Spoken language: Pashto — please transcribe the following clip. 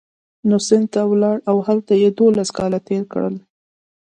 نو سند ته ولاړ او هلته یې دوولس کاله تېر کړل.